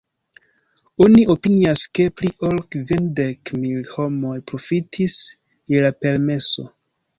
Oni opinias ke, pli ol kvindek mil homoj profitis je la permeso.